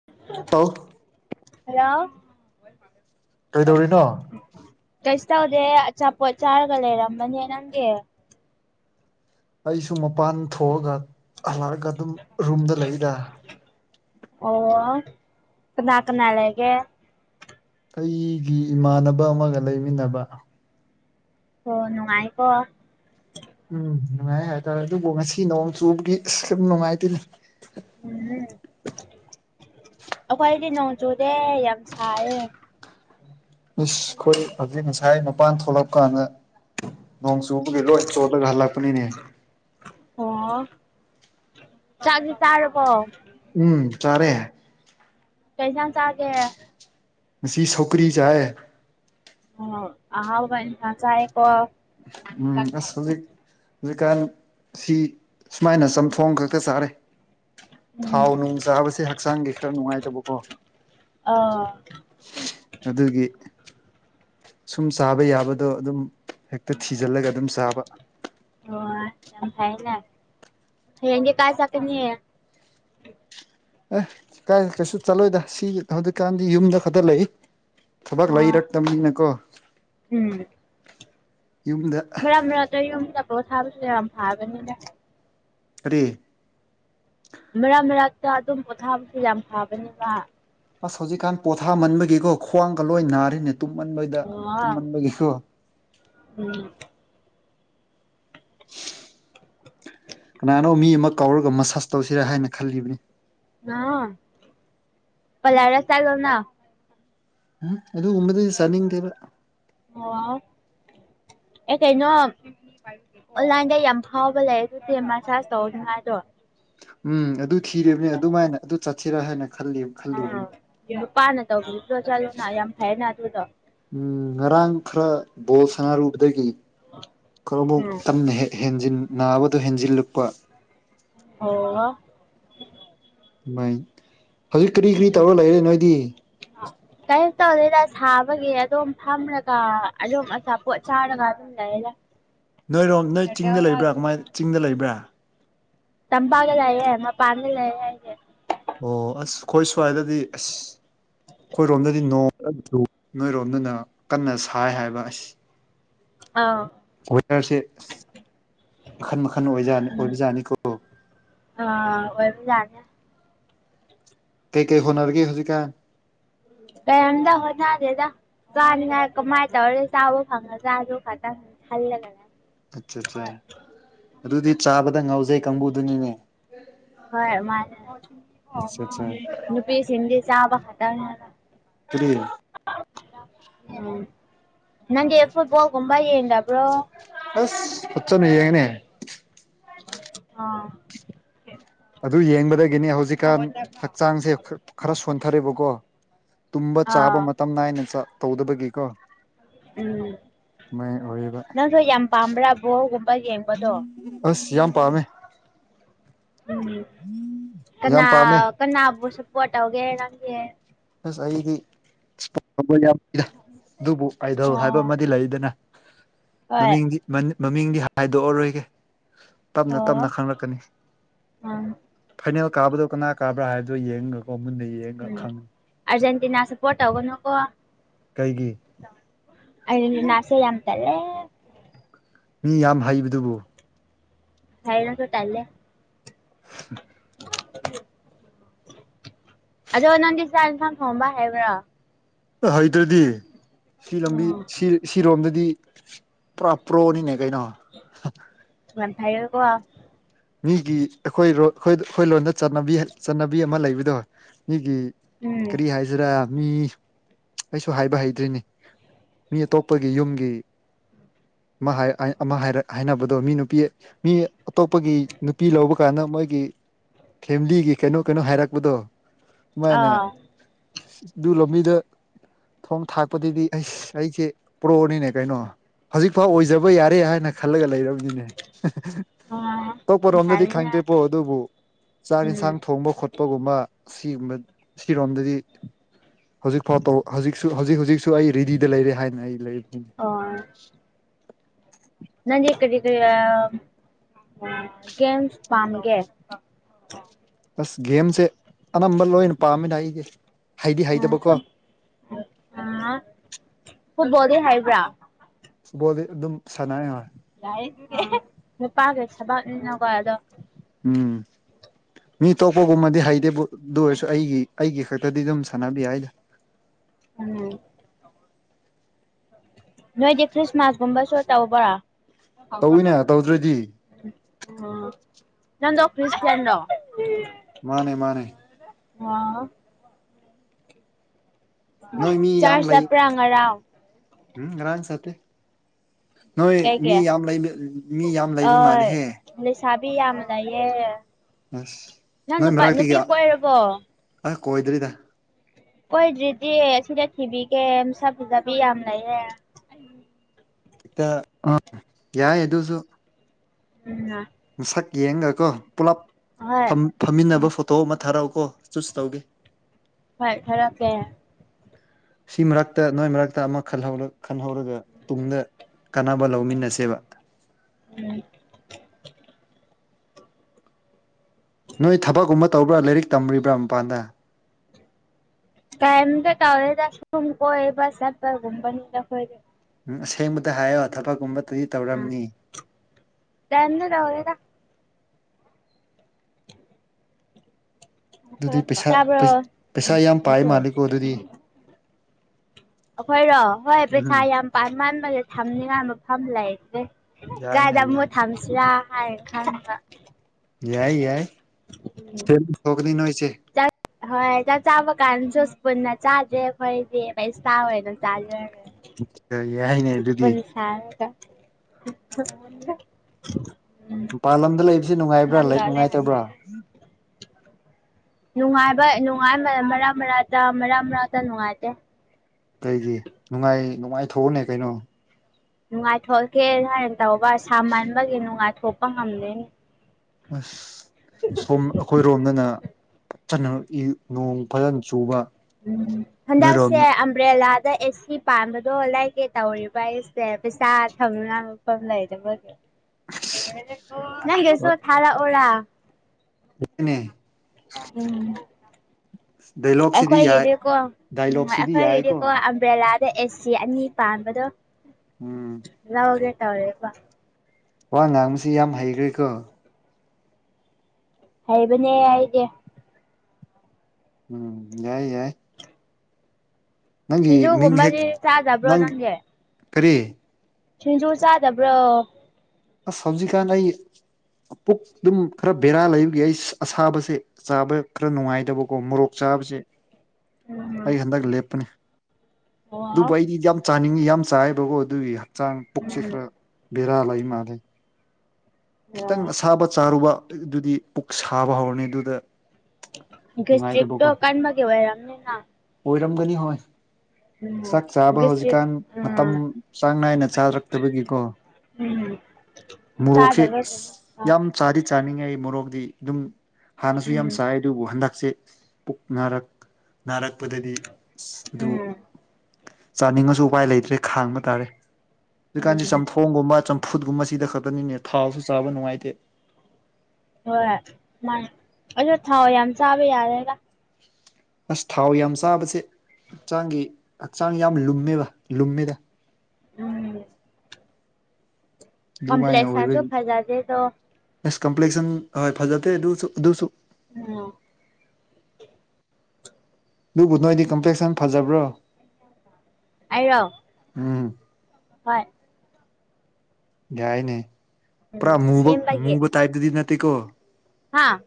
[inaudible] [unintelligible] ꯥꯍꯜꯂꯣ ꯀꯩꯗꯧꯔꯤꯅꯣ ꯀꯩꯁꯨ ꯇꯧꯗꯦ ꯑꯆꯥꯄꯣꯠ ꯆꯥꯔꯒ ꯂꯩꯔꯝꯕꯅꯦ ꯅꯪꯗꯤ ꯑꯩꯁꯨ ꯃꯄꯥꯟ ꯊꯣꯛꯑꯒ ꯍꯜꯂꯛꯑꯒ ꯑꯗꯨꯝ ꯔꯨꯝꯗ ꯂꯩꯔꯤꯗ ꯑꯣ ꯀꯅꯥ ꯀꯅꯥ ꯂꯦꯒꯦ ꯑꯩꯒꯤ ꯏꯃꯥꯟꯅꯕ ꯑꯃꯒ ꯂꯩꯃꯤꯟꯅꯕ ꯍꯣ ꯅꯨꯡꯉꯥꯏꯀꯣ ꯎꯝ ꯅꯨꯡꯉꯥꯏ ꯍꯥꯏꯇꯥꯔꯦ ꯑꯗꯨꯕꯨ ꯉꯁꯤ ꯅꯣꯡ ꯆꯨꯕꯒꯤ ꯑꯁ ꯅꯨꯡꯉꯥꯏꯇꯦ ꯎꯝ ꯑꯩꯈꯣꯏꯗꯤ ꯅꯣꯡ ꯆꯨꯗꯦ ꯌꯥꯝ ꯁꯥꯏꯌꯦ ꯏꯁ ꯑꯩꯈꯣꯏ ꯍꯧꯖꯤꯛ ꯉꯁꯥꯏ ꯃꯄꯥꯟ ꯊꯣꯛꯂꯛ ꯀꯥꯟꯗ ꯅꯣꯡ ꯆꯨꯕꯒꯤ ꯂꯣꯏ ꯆꯣꯠꯂꯒ ꯍꯜꯂꯛꯄꯅꯤꯅꯦ ꯑꯣ ꯆꯥꯛꯇꯤ ꯆꯥꯔꯥꯕꯣ ꯎꯝ ꯆꯔꯦ ꯀꯩ ꯏꯟꯁꯥꯡ ꯆꯥꯒꯦ ꯉꯁꯤ ꯁꯧꯀ꯭ꯔꯤ ꯆꯥꯏ ꯑꯣ ꯑꯍꯥꯎꯕ ꯏꯟꯁꯥꯡ ꯆꯥꯏꯀꯣ ꯎꯝ ꯑꯁ ꯍꯧꯖꯤꯛ ꯍꯧꯖꯤꯛꯀꯥꯟ ꯁꯤ ꯁꯨꯃꯥꯏꯅ ꯆꯝꯊꯣꯡ ꯈꯛꯇ ꯆꯥꯔꯦ ꯎꯝ ꯊꯥꯎ ꯅꯨꯡ ꯆꯥꯕꯁꯦ ꯍꯛꯆꯥꯡꯒꯤ ꯈꯔ ꯅꯨꯡꯉꯥꯏꯇꯕꯀꯣ ꯑꯥ ꯑꯗꯨꯒꯤ ꯁꯨꯝ ꯆꯥꯕ ꯌꯥꯕꯗꯣ ꯑꯗꯨꯝ ꯍꯦꯛꯇ ꯊꯤꯖꯤꯜꯂꯒ ꯑꯗꯨꯝ ꯆꯥꯕ ꯑꯣ ꯌꯥꯝ ꯐꯩꯏꯅꯦ ꯍꯌꯦꯡꯗꯤ ꯀꯥꯏ ꯆꯠꯀꯥꯅꯤ ꯑꯦ ꯀꯥꯏ ꯀꯩꯁꯨ ꯆꯠꯂꯣꯏꯗ ꯁꯤ ꯍꯧꯖꯤꯛꯀꯥꯟꯗꯤ ꯌꯨꯝꯗ ꯈꯛꯇ ꯂꯩ ꯊꯕꯛ ꯑꯣ ꯂꯩꯔ ꯇꯝꯅꯤꯅꯀꯣ ꯎꯝ ꯌꯨꯝꯗ ꯈꯔꯝꯗ ꯌꯨꯝꯗ ꯄꯒ ꯊꯥꯕꯁꯨꯗ ꯌꯥꯝ ꯐꯕꯅꯤꯅ꯫ ꯀꯔꯤ ꯃꯔꯛ ꯃꯔꯛꯇ ꯑꯗꯨꯝ ꯄꯣꯊꯥꯕꯁꯦ ꯌꯥꯝ ꯐꯥꯕꯅꯤꯕ ꯑꯁ ꯍꯧꯖꯤꯛꯀꯥꯟ ꯄꯣꯊꯥꯃꯟꯕꯒꯤꯀꯣ ꯈ꯭ꯋꯥꯡꯒ ꯂꯣꯏ ꯅꯥꯔꯤꯅꯦ ꯇꯨꯝꯃꯟꯕꯩꯗ ꯇꯨꯝꯃꯟꯕꯒꯤꯀꯣ꯫ ꯎꯝ ꯀꯅꯥꯅꯣ ꯃꯤ ꯑꯃ ꯀꯥꯎꯔꯒ ꯃꯁꯥꯁ ꯇꯧꯁꯤꯔꯥ ꯍꯥꯏꯅ ꯈꯜꯂꯤꯕꯅꯤ ꯑ ꯄꯂꯥ ꯔ ꯆꯒꯅ ꯎꯝ ꯑꯗꯨ ꯎꯃꯦꯗꯗꯤ ꯁꯅꯤꯡ ꯇꯦꯕ ꯑꯣ ꯑꯦ ꯀꯩꯩꯅ ꯑꯣꯟꯂꯥꯏꯟꯗ ꯌꯥꯝ ꯐꯥꯎꯕ ꯂꯩ ꯑꯗꯨꯗꯤ ꯃꯆꯥꯖ ꯇꯧꯗ ꯍꯥꯏꯗꯣ꯫ ꯎꯝ ꯑꯗꯨ ꯊꯤꯔꯤꯕꯅꯤ ꯑꯗꯨꯃꯥꯏꯅ ꯑꯗꯨ ꯆꯠꯁꯤꯔꯥ ꯍꯥꯏꯅ ꯈꯜꯂꯤ ꯑꯥ ꯈꯜꯂꯨꯕꯅꯤ ꯅꯨꯄꯥꯅ ꯇꯧꯗ꯭ꯔꯣ ꯆꯠꯂꯨꯅ ꯌꯥꯝ ꯐꯩꯅ ꯑꯗꯨꯗꯣ ꯎꯝ ꯉꯔꯥꯡ ꯈꯔ ꯕꯣꯜ ꯁꯥꯟꯅꯔꯨꯕꯗꯒꯤ ꯈꯔꯃꯨꯛ ꯎꯝ ꯇꯝꯅꯍꯦꯛ ꯍꯦꯟꯖꯤꯟ ꯅꯥꯕꯗꯣ ꯍꯦꯟꯖꯤꯜꯂꯛꯄ ꯑꯣ ꯑꯗꯨꯃꯥꯏ ꯍꯧꯖꯤꯛ ꯀꯔꯤ ꯀꯔꯤ ꯇꯧꯔ ꯂꯩꯔꯦ ꯅꯣꯏꯗꯤ ꯑꯥ ꯀꯩꯅ ꯇꯧꯗꯣꯏꯗ ꯁꯥꯕꯒꯤ ꯑꯗꯨꯝ ꯐꯝꯔꯒ ꯑꯗꯨꯝ ꯑꯆꯥꯄꯣꯠ ꯆꯥꯔꯒ ꯑꯗꯨꯝ ꯂꯩꯔ ꯅꯣꯏꯔꯣꯝ ꯅꯣꯏ ꯆꯤꯡꯗ ꯂꯩꯕ꯭ꯔꯥ ꯀꯃꯥꯏ ꯆꯤꯡꯗ ꯂꯩꯕ꯭ꯔꯥ ꯇꯝꯝꯕꯒ ꯂꯑ ꯉ ꯄꯥꯟꯒ ꯂꯑꯦ ꯑꯣ ꯑꯁ ꯈꯈꯣꯏ ꯁ꯭ꯋꯥꯏꯗꯗꯤ ꯑꯁ ꯑꯩꯈꯣꯏꯔꯣꯝꯗꯗꯤ ꯅꯣꯡ ꯅꯣꯏꯔꯣꯝꯗꯅ ꯀꯟꯅ ꯁꯥꯏ ꯍꯥꯏꯕ ꯑꯁꯤꯁ ꯑꯥ ꯋꯦꯗꯔꯁꯦ ꯃꯈꯟ ꯃꯈꯜ ꯑꯣꯏꯕꯖꯥꯠꯅꯤꯀꯣ꯫ ꯑ ꯑꯣꯏꯖꯨ ꯌꯥꯅꯦ ꯀꯩꯀꯩ ꯍꯣꯅꯔꯒꯦ ꯍꯧꯖꯤꯛꯀꯥꯟ ꯀꯔꯤꯝꯇ ꯍꯣꯠꯅꯗꯦꯗ ꯆꯥꯅꯤꯡꯉꯥꯏ ꯀꯃꯥꯏꯅ ꯇꯧꯔꯁ ꯆꯥꯕ ꯐꯪꯉ ꯆꯥꯗ ꯈꯪ ꯍꯜ ꯂꯒꯒ ꯑꯠ ꯑꯠꯆꯥ ꯑꯗꯨꯗꯤ ꯆꯥꯕꯗ ꯉꯥꯎꯖꯩ ꯀꯥꯡꯕꯨꯨꯗꯨꯅꯤꯅꯦ ꯍꯣꯏ ꯃꯥꯅꯦ ꯑꯠꯆꯥ ꯅꯨꯄꯤ ꯁꯤꯡꯗꯤ ꯆꯥꯕ ꯈꯛꯇꯪꯅꯦ ꯀꯔꯤ ꯎ ꯅꯪ ꯐꯨꯠꯕꯣꯜꯒꯨꯝꯕ ꯌꯦꯡꯗꯕ꯭ꯔꯣ ꯑꯁ ꯍꯆꯅꯤ ꯌꯦꯒꯅꯦ ꯑꯥ ꯑꯗꯨ ꯌꯦꯡꯕꯗꯒꯤꯅꯤ ꯍꯧꯖꯤꯛꯀꯥꯟ ꯍꯛꯆꯥꯡꯁꯦ ꯈꯔ ꯁꯣꯟꯊꯔꯦꯕꯀꯣ ꯇꯨꯝꯕ ꯆꯥꯕ ꯑꯥ ꯃꯇꯝ ꯅꯥꯏꯅ ꯇꯧꯗꯕꯒꯤꯀꯣ ꯃꯥꯏ ꯑꯣꯏꯕ ꯅꯣꯏ ꯌꯥꯝ ꯄꯥꯝꯕ꯭ꯔꯥ ꯕꯣꯒꯨꯝꯕ ꯌꯦꯡꯕꯗꯣ ꯑꯁ ꯌꯥꯝ ꯄꯥꯝꯃꯦ ꯎꯝ ꯀꯅꯥ ꯌꯥꯝ ꯄꯥꯝꯃꯦ ꯀꯅꯥꯕꯨ ꯁꯄꯣꯠ ꯇꯧꯒꯦ ꯅꯪꯗꯗꯤ ꯑꯁ ꯑꯩꯗꯤ ꯌꯥꯝꯗ ꯑꯗꯨꯕꯨ ꯑꯥꯏꯗꯜ ꯍꯥꯏꯕ ꯑꯣ ꯑꯃꯗꯤ ꯂꯩꯗꯅ ꯍꯣꯏ ꯃꯃꯤꯡꯗꯤ ꯃꯃꯤꯡꯗꯤ ꯍꯥꯏꯗꯣꯛꯑꯔꯣꯏꯒꯦ꯫ ꯇꯞꯅ ꯑꯣ ꯇꯞꯅ ꯈꯪꯂꯛꯀꯅꯤ ꯎꯝ ꯐꯥꯏꯅꯦꯜ ꯀꯥꯕꯗ ꯀꯅꯥ ꯀꯥꯕ꯭ꯔꯥ ꯍꯥꯏꯕꯗꯣ ꯌꯦꯡꯉꯀꯣ ꯃꯨꯟꯅ ꯌꯦꯡꯉ ꯎꯝ ꯈꯪꯉꯅꯤ ꯑꯔꯖꯦꯟꯇꯤꯅꯥ ꯁꯄꯣꯔꯠ ꯇꯧꯒ ꯅꯨ ꯀꯣ ꯀꯩꯒꯤ ꯅꯁꯤꯂ ꯇꯔꯦ ꯃꯤ ꯌꯥꯝ ꯍꯩꯕꯗꯨꯕꯨ ꯍꯥꯏꯅꯁꯨ ꯇꯂꯦ [inaudible] ꯑꯗꯣ ꯅ ꯅꯣꯟꯗꯤ ꯆ ꯏꯟꯐ ꯐꯣꯡꯝꯕ ꯍꯥꯏꯕ꯭ꯔꯥ ꯍꯩꯗ꯭ꯔꯗꯤ ꯁꯤ ꯂꯝꯕꯤ ꯎꯝ ꯁꯤ ꯁꯤꯔꯣꯝꯗꯗꯤ ꯄꯨꯔꯥ ꯄ꯭ꯔꯣꯅꯤꯅꯦ ꯀꯩꯅꯣ ꯐꯥꯏꯔꯦꯀꯣ ꯃꯤꯒꯤ ꯑꯩꯈꯣꯏꯣ ꯑꯩꯈꯣꯏ ꯑꯩꯈꯣꯏ ꯂꯣꯟꯗ ꯆꯠꯅꯕꯤ ꯆꯠꯅꯕꯤ ꯑꯃ ꯂꯩꯕꯗꯣ ꯃꯤꯒꯤ ꯎꯝ ꯀꯔꯤ ꯍꯥꯏꯁꯤꯔꯥ ꯃꯤ ꯑꯩꯁꯨ ꯍꯥꯏꯕ ꯍꯩꯇ꯭ꯔꯤꯅꯤ ꯃꯤ ꯑꯇꯣꯞꯄꯒꯤ ꯌꯨꯝꯒꯤ ꯍꯥꯏꯅꯕꯗꯣ ꯃꯤ ꯅꯨꯄꯤ ꯃꯤ ꯑꯇꯣꯞꯄꯒꯤ ꯅꯨꯄꯤ ꯂꯧꯕ ꯀꯥꯟꯗ ꯃꯣꯏꯒꯤ ꯐꯦꯃꯤꯂꯤꯒꯤ ꯀꯩꯅꯣ ꯀꯩꯅꯣ ꯍꯥꯏꯔꯛꯄꯗꯣ ꯁꯃꯥꯏꯅ ꯑꯥ ꯑꯗꯨ ꯂꯧꯕꯤꯗ ꯊꯣꯡ ꯊꯥꯛꯄꯗꯗꯤ ꯑꯩꯁ ꯑꯩꯁꯦ ꯄ꯭ꯔꯣꯅꯤꯅꯦ ꯀꯩꯅꯣ ꯍꯧꯖꯤꯛꯐꯥꯎ ꯑꯣꯏꯖꯕ ꯌꯥꯔꯦ ꯍꯥꯏꯅ ꯈꯜꯂꯒ ꯂꯩꯔꯕꯅꯤꯅꯦ ꯑꯥ ꯌꯥꯝ ꯑꯣꯄꯔꯣꯝꯗꯗꯤ ꯐꯔꯦꯅ ꯈꯪꯗ꯭ꯦ ꯄꯣ ꯑꯗꯨꯕꯨ ꯆꯥꯛ ꯎꯝ ꯌꯦꯟꯁꯥꯡ ꯊꯣꯡꯕ ꯈꯣꯠꯄ ꯑꯄꯒꯨꯝꯕ ꯁꯤꯒꯨꯝꯕ ꯁꯤꯔꯣꯝꯗꯗꯤ ꯍꯧꯖꯤꯛꯐꯥꯎ ꯇ ꯍꯧꯖꯤꯛꯁꯨ ꯍꯧꯖꯤꯛ ꯍꯧꯖꯤꯛꯁꯨ ꯑꯩ ꯔꯦꯗꯤꯗ ꯂꯩꯔꯦ ꯍꯥꯏꯅ ꯑꯩ ꯂꯩꯅꯤ ꯑꯣ ꯅꯗꯤ ꯀꯔꯤ ꯀꯔꯤ ꯀꯦꯦꯝꯁ ꯄꯥꯝꯒꯦ ꯑꯁ ꯒꯦꯝꯁꯦ ꯑꯅꯝꯕ ꯂꯣꯏꯅ ꯄꯥꯝꯃꯤꯅ ꯑꯩꯁ ꯑ ꯐꯕꯣꯗꯤ ꯍꯥꯏꯕ꯭ꯔꯥ ꯣꯗꯤ ꯑꯗꯨꯝ ꯁꯅꯥꯣꯏ ꯂꯥꯏꯛꯦ ꯅꯨꯄꯥꯒꯤ ꯁꯕꯛꯅꯤꯅꯀꯣ ꯑꯗꯣ ꯎꯝ ꯃꯤ ꯇꯣꯛꯄꯒꯨꯝꯕꯗꯤ ꯍꯩꯇꯦ ꯑꯗꯨ ꯑꯣꯏꯔꯁꯨ ꯑꯩꯒꯤ ꯑꯩꯒꯤ ꯈꯛꯇ ꯗꯤ ꯑꯗꯨꯝ ꯁꯥꯟꯅꯕꯤ ꯍꯥꯏꯗ ꯎꯝ [inaudible] ꯅꯣꯏꯗꯤ ꯈ꯭ꯔꯤꯁꯃꯥꯁꯒꯨꯝꯕꯁꯨ ꯇꯧꯕ꯭ꯔꯥ ꯇꯧꯋꯤꯅꯦ ꯇꯧꯗ꯭ꯔꯗꯤ ꯎ ꯅꯗ ꯀꯔꯤꯁ ꯐꯅꯣ ꯃꯥꯅꯦ ꯃꯥꯅꯦ [unintelligible] ꯅꯣꯏ ꯃꯤ ꯌꯥꯝ ꯆꯔꯆ ꯂꯩ ꯆꯠꯄ꯭ꯔꯥ ꯉꯔꯥꯡ ꯎꯝ ꯉꯔꯥꯡ ꯆꯠꯇꯦ꯫ ꯅꯣꯏ ꯃꯤ ꯀꯩꯒꯤ ꯌꯥꯝ ꯂꯩꯕ ꯃꯤ ꯌꯥꯝ ꯂꯩꯕ ꯑꯣꯏ ꯃꯥꯜꯂꯦꯍꯦ ꯂꯩꯁꯥꯕꯤ ꯌꯥꯝꯅ ꯂꯩꯌꯦ ꯑꯁ ꯅꯪ ꯅꯨꯄꯥ ꯅꯨꯄꯤ ꯀꯣꯏꯔꯕꯣ ꯑꯥ ꯀꯣꯏꯗꯔꯤꯗ ꯑꯣꯏꯗ꯭ꯔꯤꯗꯤ ꯁꯤꯗ ꯊꯤꯕꯤꯒꯦ ꯃꯁꯥ ꯐꯤꯖꯕꯤ ꯌꯥꯝ ꯂꯩꯌꯦꯦ ꯌꯥꯗꯨꯁꯨ [unintelligible] ꯃꯁꯛ ꯌꯦꯡꯒꯀꯣ ꯄꯨꯂꯞ ꯍꯣꯏ ꯐꯝꯃꯤꯟꯅꯕ ꯎꯝ ꯐꯣꯇꯣ ꯑꯃ ꯊꯥꯔꯛꯎꯀꯣ ꯆꯨꯁ ꯇꯧꯒꯦ ꯐꯣꯏ ꯐꯔꯛ ꯀꯦ ꯁꯤ ꯃꯔꯛꯇ ꯅꯣꯏ ꯃꯔꯛꯇ ꯑꯃꯍꯧ ꯈꯟꯍꯧꯔꯒ ꯇꯨꯡꯗ ꯀꯥꯟꯅꯕ ꯂꯧꯃꯤꯟꯅꯁꯦꯕ [unintelligible] ꯅꯣꯏ ꯊꯕꯛꯀꯨꯝꯕ ꯇꯧꯕ꯭ꯔꯥ ꯂꯥꯏꯔꯤꯛ ꯇꯝꯔꯤꯕ꯭ꯔꯥ ꯃꯄꯥꯟꯗ ꯇꯥꯏꯝ ꯇ ꯇꯧꯔꯦꯗꯥꯁꯨ ꯀꯣꯣꯏꯕ ꯁꯥꯠꯄ ꯨꯝꯄꯅꯤ ꯇꯣꯏꯗ ꯎꯝ ꯑꯁꯦꯡꯕꯗ ꯍꯥꯏꯌꯣ ꯊꯕꯛꯀꯨꯝꯕꯇꯗꯤ ꯇꯧꯔꯝꯅꯤ ꯔꯅ ꯇꯧꯔꯦ ꯇ ꯑꯗꯨꯗꯤ ꯄꯩꯁꯥ ꯇꯥꯕ꯭ꯔꯣ ꯄꯩꯁꯥ ꯌꯥꯝ ꯄꯥꯏ ꯃꯥꯜꯂꯤꯀꯣ ꯑꯩꯈꯣꯏꯔꯣ ꯑꯗꯨꯗꯤ ꯑꯩꯈꯣꯏꯔꯣ ꯍꯣꯏ ꯄꯩꯁꯥ ꯎꯝ ꯌꯥꯝꯥꯟ ꯃꯥꯟꯕꯁ ꯊꯝꯅꯤꯡꯉꯥꯏ ꯃꯐꯝ ꯂꯩꯦ ꯌꯥꯏꯅꯦ ꯀꯥꯏꯗ ꯌꯥꯏ ꯑꯃꯨꯛ ꯊꯝꯁꯤꯔꯥ ꯍꯥꯏꯔ ꯈꯪꯕ ꯌꯥꯏ ꯌꯥꯏ ꯊꯅꯤꯅꯣꯏꯁꯦ ꯆꯥꯛ ꯍꯣꯏ ꯆꯥꯛ ꯆꯥꯕ ꯀꯥꯟꯁꯨ ꯄꯨꯨꯟꯅ ꯆꯥꯗ꯭ꯔꯦ ꯑꯩꯣꯏꯗꯤ ꯄꯩꯁ ꯇꯥꯋꯦꯅ ꯆꯥꯖ ꯌꯥ ꯍꯥꯏꯅꯦ ꯑꯗꯨꯗꯤ ꯍꯒ [unintelligible] ꯃꯄꯥꯟ ꯂꯝꯗ ꯂꯩꯕꯁꯤ ꯅꯨꯡꯉꯥꯏꯕ꯭ꯔꯥ ꯂꯥꯏꯔꯤꯛ ꯅꯨꯡꯉꯥꯏꯇꯕ꯭ꯔꯥ ꯅꯨꯡꯉꯥꯏꯕ ꯅꯨꯡꯉꯥꯏ ꯃꯔꯥꯡ ꯃꯔꯛ ꯃꯔꯛꯇ ꯃꯔꯛ ꯃꯔꯛꯇ ꯅꯨꯡꯉꯥꯏꯇꯦ ꯀꯩꯒꯤ ꯅꯨꯡꯉꯥꯏ ꯅꯨꯡꯉꯥꯏꯊꯣꯛꯎꯅꯦ ꯀꯩꯅꯣ ꯅꯨꯡꯉꯥꯏꯊꯣꯛꯀꯦ ꯑꯗꯨꯍꯥꯏꯅ ꯇꯧꯕ ꯁꯥꯃꯟꯕꯒꯤ ꯅꯨꯡꯉꯥꯏꯊꯣꯛꯄ ꯉꯝꯗꯦꯅꯦ ꯑꯁ ꯁꯣꯝ ꯑꯩꯈꯣꯏꯔꯣꯝꯗꯅ ꯆꯅꯔꯞ ꯌꯨ ꯅꯣꯡ ꯐꯖꯅ ꯆꯨꯕ ꯍꯟꯗꯛꯁꯦ ꯅꯣꯏꯔꯣꯝꯗ ꯑꯝ ꯕ꯭ꯔꯦꯂꯥꯗ ꯑꯦ ꯁꯤ ꯄꯥꯟꯕꯗꯣ ꯂꯩꯒꯦ ꯇꯧꯔꯤꯕ ꯑꯩꯁꯦ ꯄꯩꯁꯥ ꯊꯝꯔꯝ ꯚꯝ ꯂꯩꯇꯕꯒꯤ ꯅꯪꯒꯤꯁꯨ ꯊꯔꯛꯑꯣꯔꯥ ꯗꯨꯅꯦ ꯎꯝ ꯗꯥꯏꯂꯣꯛꯁꯤꯗꯤ ꯌꯥꯏ ꯑꯩꯈꯣꯏꯒꯤꯗꯤꯀꯣ ꯎꯝ ꯗꯥꯏꯂꯣꯛꯁꯤꯗꯤ ꯌꯥꯏꯀꯣ ꯑꯩꯈꯣꯏꯒꯤꯗꯤꯀꯣ ꯕꯦꯂꯥꯗ ꯑꯦꯁꯤ ꯑꯅꯤ ꯄꯥꯟꯕꯗꯣ ꯎꯝ ꯂꯧꯒꯦ ꯇꯧꯔꯦꯕ ꯋꯥ ꯉꯥꯡꯕꯁꯤ ꯌꯥꯝ ꯍꯩꯒ꯭ꯔꯦꯀꯣ ꯍꯩꯕꯅꯦ ꯑꯩꯗꯤ ꯎꯝ ꯌꯥꯏ ꯌꯥꯏ ꯅꯪꯒꯤ ꯃꯤꯡ ꯍꯦꯛ ꯁꯤꯡꯖꯨꯒꯨꯝꯕꯗꯤ ꯆꯥꯗꯕ꯭ꯔꯣ ꯅꯪ ꯅꯪꯗꯤ ꯀꯔꯤ ꯁꯤꯡꯖꯨ ꯆꯥꯗꯕ꯭ꯔꯣ ꯑꯁ ꯍꯧꯖꯤꯛꯀꯥꯟ ꯑꯩ ꯄꯨꯛ ꯑꯗꯨꯝ ꯈꯔ ꯕꯦꯔꯥ ꯂꯩꯕꯒꯤ ꯑꯩ ꯑꯁꯥꯕꯁꯦ ꯆꯥꯕ ꯈꯔ ꯅꯨꯡꯉꯥꯏꯗꯕꯀꯣ ꯃꯣꯔꯣꯛ ꯆꯥꯕꯁꯦ ꯑꯩ ꯎꯝ ꯍꯟꯗꯛ ꯂꯦꯄꯅꯤ ꯑꯣ ꯗꯨꯕꯨ ꯑꯩꯗꯤ ꯌꯥꯝ ꯆꯥꯅꯤꯡꯉꯤ ꯌꯥꯝ ꯆꯥꯏꯌꯦꯕꯀꯣ ꯑꯗꯨꯒꯤ ꯍꯛꯆꯥꯡ ꯄꯨꯛꯁꯦ ꯎꯝ ꯈꯔ ꯕꯦꯔꯥ ꯂꯩ ꯃꯥꯜꯂꯦ ꯈꯤꯇꯪ ꯑꯣ ꯑꯁꯥꯕ ꯆꯥꯔꯨꯕ ꯑꯗꯨꯗꯤ ꯄꯨꯛ ꯁꯥꯕ ꯍꯧꯔꯅꯤ ꯑꯗꯨꯗ ꯒꯦꯁꯇ꯭ꯔꯤꯛ ꯗꯣ ꯅꯨꯡꯉꯥꯏꯇꯕꯀꯣ ꯀꯟꯕ ꯒꯤ ꯑꯣꯏꯔꯝꯅꯤ ꯅ ꯑꯣꯏꯔꯝꯒꯅꯤ ꯍꯣꯏ ꯆꯥꯛ ꯎꯝ ꯆꯥꯕ ꯒꯦꯁꯇ꯭ꯔꯤꯛ ꯍꯧꯖꯤꯛꯀꯥꯟ ꯃꯇꯝ ꯎꯝ ꯆꯥꯡ ꯅꯥꯏꯅ ꯆꯥꯔꯛꯇꯕꯒꯤꯀꯣ ꯎꯝ ꯃꯣꯔꯣꯛꯁꯦ ꯑꯁ ꯆꯥꯗꯕꯒꯤꯅꯦ ꯑꯥ ꯌꯥꯝ ꯆꯥꯗꯤ ꯆꯥꯅꯤꯡꯉꯦ ꯑꯩ ꯃꯣꯔꯣꯛꯗꯤ ꯑꯗꯨꯝ ꯍꯥꯟꯅꯁꯨ ꯌꯥꯝ ꯎꯝ ꯆꯥꯏ ꯑꯗꯨꯕꯨ ꯍꯟꯗꯛꯁꯦ ꯄꯨꯛ ꯅꯥꯔꯛ ꯅꯥꯔꯛꯄꯗꯗꯤ ꯑꯁ ꯑꯗꯨ ꯎꯝ ꯆꯥꯅꯤꯡꯉꯁꯨ ꯎꯄꯥꯏ ꯂꯩꯇ꯭ꯔꯦ ꯈꯥꯡꯕ ꯇꯥꯔꯦ ꯍꯧꯖꯤꯛꯀꯥꯟꯁꯤ ꯎꯝ ꯆꯝꯊꯣꯡꯒꯨꯝꯕ ꯆꯝ ꯐꯨꯗꯀꯨꯝꯕꯁꯤꯗ ꯈꯛꯇꯅꯤꯅꯦ ꯊꯥꯎꯁꯨ ꯆꯥꯕ ꯅꯨꯡꯉꯥꯏꯇꯦ ꯍꯣꯏ ꯃꯥꯟꯅꯤ ꯑꯩꯖꯨ ꯊꯥꯎ ꯌꯥꯝ ꯆꯥꯕ ꯌꯥꯔꯦꯒ ꯑꯁ ꯊꯥꯎ ꯌꯥꯝ ꯆꯥꯕꯁꯦ ꯍꯛꯆꯥꯡꯒꯤ ꯍꯛꯆꯥꯡ ꯌꯥꯝ ꯂꯨꯝꯃꯦꯕ ꯂꯨꯝꯃꯤꯗ ꯎꯝ ꯗꯨꯃꯥꯏꯅ ꯀꯝꯄ꯭ꯂꯦꯛꯁꯟꯁꯨ ꯑꯣꯏꯕꯒꯤ ꯐꯖꯗꯦꯗꯣ ꯑꯦꯁ ꯀꯝꯄ꯭ꯂꯦꯛꯁꯟ ꯍꯣꯏ ꯐꯖꯗꯦ ꯗꯨꯁꯨ ꯑꯗꯨꯁꯨꯨ ꯎꯝ ꯑꯗꯨꯕꯨ ꯅꯣꯏꯗꯤ ꯀꯝꯄ꯭ꯂꯦꯛꯁꯟ ꯐꯖꯕ꯭ꯔꯣ ꯑꯩꯔꯣ ꯎꯝ ꯍꯣꯏ ꯌꯥꯏꯅꯦ ꯄꯨꯔꯥ ꯎꯝ ꯃꯨꯕ ꯃꯨꯕ ꯇꯥꯏꯞꯗꯨꯗꯤ ꯅꯠꯇꯦꯀꯣ ꯍꯥꯥ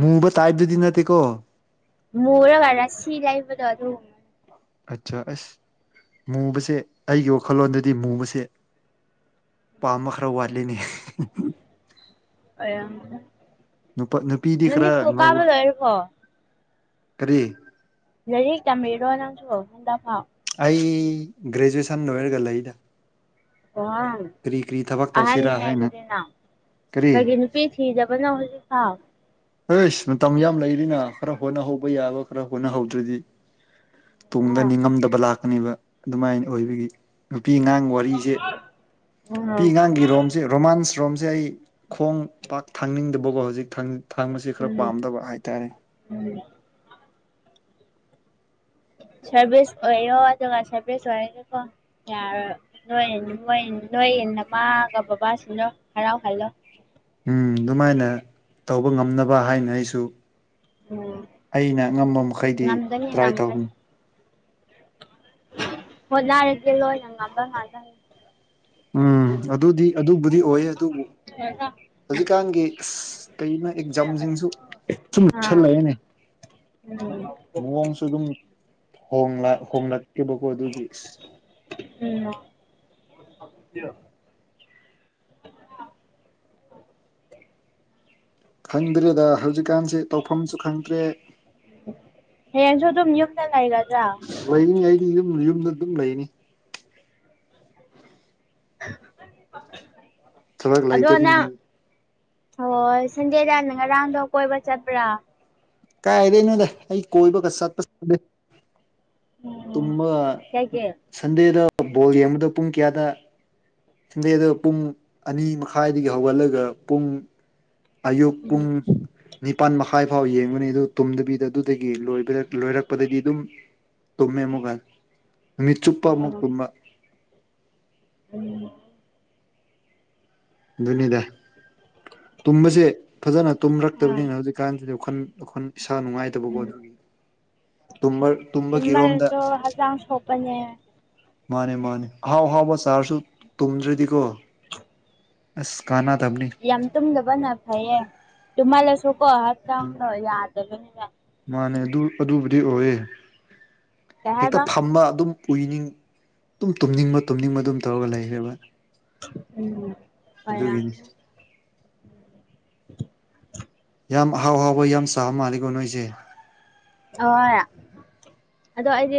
ꯃꯨꯕ ꯇꯥꯏꯞꯗꯨꯗꯤ ꯅꯠꯇꯦꯀꯣ ꯃꯨꯔꯒ ꯔꯁꯤ ꯂꯩꯕꯗꯣ ꯑꯗꯨ ꯑꯠꯆꯥ ꯑꯁ ꯃꯨꯕꯁꯦ ꯑꯩꯒꯤ ꯋꯥꯈꯜꯂꯣꯟꯗꯗꯤ ꯃꯨꯕꯁꯦ ꯄꯥꯝꯕ ꯈꯔ ꯋꯥꯠꯂꯤꯅꯦ ꯑꯩꯌꯥ ꯅꯨꯄꯥ ꯅꯨꯄꯤꯗꯤ ꯅꯪꯗꯤ ꯈꯔ ꯁ꯭ꯀꯨꯜ ꯉꯧ ꯀꯥꯕ ꯂꯣꯏꯔꯕꯣ ꯀꯔꯤ ꯂꯩꯔꯤꯛ ꯇꯝꯃꯤꯔꯣ ꯅꯪꯁꯨ ꯍꯟꯗꯛ ꯐꯥꯎ ꯑꯩ ꯒ꯭ꯔꯦꯖꯨꯑꯦꯁꯟ ꯂꯣꯏꯔꯒ ꯂꯩꯗ ꯑꯣ ꯀꯔꯤ ꯀꯔꯤ ꯊꯕꯛ ꯇꯧꯁꯤꯔꯥ ꯑꯍꯟꯅꯤꯅꯦ ꯍꯥꯏꯅ ꯑꯗꯨꯗꯤ ꯅꯥꯎ ꯀꯔꯤ ꯀꯩꯒꯤ ꯅꯨꯄꯤ ꯊꯤꯗꯕꯅꯣ ꯍꯧꯖꯤꯛ ꯐꯥꯎ꯫ ꯑꯦꯁ ꯃꯇꯝ ꯌꯥꯝ ꯂꯩꯔꯤꯅ ꯈꯔ ꯍꯣꯠꯅꯍꯧꯕ ꯌꯥꯕ ꯈꯔ ꯍꯣꯠꯅꯍꯧꯗ꯭ꯔꯗꯤ ꯇꯨꯡꯗ ꯑꯥ ꯅꯤꯡꯉꯝꯗꯕ ꯂꯥꯛꯀꯅꯦꯕ ꯑꯗꯨꯃꯥꯏꯅ ꯑꯣꯏꯕꯒꯤ ꯅꯨꯄꯤ ꯑꯉꯥꯡ ꯋꯥꯔꯤꯁꯦ ꯎꯝ ꯄꯤꯉꯥꯡꯒꯤ ꯔꯣꯝꯁꯤ ꯔꯣꯃꯥꯟꯁ ꯔꯣꯝꯁꯦ ꯑꯩ ꯈꯣꯡ ꯄꯥꯛ ꯊꯥꯡꯅꯤꯡꯗꯕꯒꯣ ꯍꯧꯖꯤꯛ ꯊꯥꯡ ꯊꯥꯡꯕꯁꯤ ꯈꯔ ꯎꯝ ꯄꯥꯝꯗꯕ ꯍꯥꯏꯇꯥꯔꯦ꯫ ꯎꯝ ꯁꯦꯕꯦꯁ ꯑꯣꯏꯌꯣ ꯑꯗꯨꯒ ꯁꯦꯕꯦꯁ ꯑꯣꯏꯔꯒꯦꯀꯣ꯫ ꯌꯥꯔꯣ ꯅꯣꯏ ꯅꯣꯏ ꯅꯣꯏ ꯅꯃꯥꯒ ꯕꯕꯥꯁꯤꯅꯣ ꯍꯔꯥꯎꯍꯜꯂꯣ꯫ ꯎꯝ ꯗꯨꯃꯥꯏꯅ ꯇꯧꯕ ꯉꯝꯅꯕ ꯍꯥꯏꯅ ꯑꯩꯁꯨ ꯎꯝ ꯑꯩꯅ ꯉꯝꯕ ꯃꯈꯩꯗꯤ ꯉꯝꯒꯅꯤ ꯇ꯭ꯔꯥꯏ ꯉꯝꯒꯅꯤ ꯇꯧꯔꯅꯤ ꯍꯣꯠꯅꯔꯗꯤ ꯂꯣꯏꯅ ꯉꯝꯕ ꯉꯥꯛꯇ ꯎꯝ ꯑꯗꯨꯗꯤ ꯑꯗꯨꯕꯨꯗꯤ ꯑꯣꯏꯌꯦ ꯑꯗꯨꯕꯨ ꯍꯧꯖꯤꯛꯀꯥꯟꯒꯤ ꯀꯩꯅ ꯑꯦꯛꯖꯥꯝꯖꯤꯡꯖꯨ ꯁꯨꯝ ꯑꯥ ꯂꯨꯁꯜꯂꯛꯑꯦꯅꯦ꯫ ꯎꯝ ꯃꯑꯣꯡꯁꯨ ꯑꯗꯨꯝ ꯍꯣꯡꯂꯛ ꯍꯤꯡꯂꯛꯀꯦꯕꯀꯣ ꯑꯗꯨꯒꯤ ꯎꯝ ꯈꯪꯗ꯭ꯔꯦꯗ ꯍꯧꯖꯤꯛꯀꯥꯟꯁꯤ ꯇꯧꯐꯝꯁꯨ ꯈꯪꯗ꯭ꯔꯦ ꯍꯌꯦꯡꯁꯨ ꯑꯗꯨꯝ ꯌꯨꯝꯗ ꯂꯩꯒꯗ꯭ꯔꯥ ꯂꯩꯅꯤ ꯑꯩꯗꯤ ꯌꯨꯝ ꯌꯨꯝꯗ ꯑꯗꯨꯝ ꯂꯩꯅꯤ ꯊꯕꯛ [unintelligible] ꯑꯗꯣ ꯅꯪ ꯂꯩꯇꯕꯅꯤꯅ ꯊꯑꯣꯏ ꯁꯟꯗꯦꯗ ꯅꯪ ꯉꯔꯥꯡꯗꯣ ꯀꯣꯏꯕ ꯆꯠꯄ꯭ꯔꯥ꯫ ꯀꯥꯏꯗꯩꯅꯣꯗ ꯑꯩ ꯀꯣꯏꯕꯒ ꯆꯠꯄ ꯁꯪꯗꯦ ꯇꯨꯝꯃ ꯀꯩꯒꯤ ꯁꯟꯗꯦꯗ ꯕꯣꯜ ꯌꯦꯡꯕꯗꯨ ꯄꯨꯡ ꯀꯌꯥꯗ ꯁꯟꯗꯦꯗ ꯄꯨꯡ ꯑꯅꯤ ꯃꯈꯥꯏꯗꯒꯤ ꯍꯧꯒꯠꯂꯒ ꯄꯨꯡ ꯑꯌꯨꯛ ꯎꯝ ꯄꯨꯡ ꯅꯤꯄꯥꯟ ꯃꯈꯥꯏ ꯐꯥꯎ ꯌꯦꯡꯕꯅꯤ ꯑꯗꯨ ꯇꯨꯝꯗꯕꯤꯗ ꯑꯗꯨꯗꯒꯤ ꯂꯣꯏꯕꯔꯛ ꯂꯣꯏꯔꯛꯄꯗꯗꯤ ꯑꯗꯨꯝ ꯇꯨꯝꯃꯦ ꯑꯃꯨꯛ ꯍꯟ ꯃꯤꯠ ꯆꯨꯞꯄ ꯃꯨꯛ ꯑꯣ ꯇꯨꯝꯃ꯫ ꯎꯝ ꯑꯗꯨꯅꯤꯗ ꯇꯨꯝꯕꯁꯦ ꯐꯖꯅ ꯑꯥ ꯇꯨꯝꯔꯛꯇꯕꯅꯤꯅ ꯍꯧꯖꯤꯛꯀꯥꯟꯁꯤꯗꯤ ꯋꯥꯈꯜ ꯑꯈꯣꯟ ꯏꯁꯥ ꯅꯨꯡꯉꯥꯏꯇꯕꯀꯣ ꯎꯝ ꯑꯗꯨꯒꯤ ꯇꯨꯝꯕꯔ ꯑꯗꯨꯃꯜꯗꯣ ꯍꯛꯆꯥꯡ ꯁꯣꯛꯄꯅꯦ ꯃꯥꯅꯦ ꯃꯥꯅꯦ ꯑꯍꯥꯎ ꯑꯍꯥꯎꯕ ꯆꯥꯔꯁꯨ ꯇꯨꯝꯗ꯭ꯔꯗꯤꯀꯣ ꯑꯁ ꯀꯥꯅꯗꯞꯅꯦ ꯌꯥꯝ ꯇꯨꯝꯗꯕꯅ ꯐꯩꯌꯦ ꯇꯨꯝꯃꯜꯂꯁꯨꯀꯣ ꯍꯞꯆꯥꯡꯗꯣ ꯌꯥꯗꯕꯅꯤꯅ꯫ ꯃꯥꯅꯦ ꯑꯗꯨ ꯑꯗꯨꯕꯨꯗꯤ ꯑꯣꯏꯌꯦ ꯀꯩ ꯍꯦꯛꯇ ꯍꯥꯏꯕ ꯐꯝꯕ ꯑꯗꯨꯝ ꯄꯨꯏꯅꯤꯡ ꯗꯨꯝ ꯇꯨꯝꯅꯤꯡꯕ ꯇꯨꯝꯅꯤꯡꯕ ꯑꯗꯨꯝ ꯇꯧꯔꯒ ꯂꯩꯔꯦꯕ꯫ ꯎꯝ ꯐꯌꯥ ꯌꯥꯝ ꯑꯍꯥꯎ ꯍꯥꯎꯕ ꯌꯥꯝ ꯆꯥꯕ ꯃꯥꯜꯂꯤꯀꯣ ꯅꯣꯏꯁꯦ ꯑꯣ ꯑꯗꯣ ꯑꯩꯗꯤ